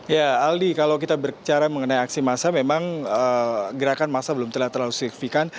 ya aldi kalau kita berbicara mengenai aksi massa memang gerakan masa belum terlihat terlalu signifikan